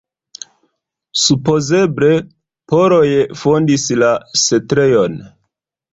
Supozeble poloj fondis la setlejon.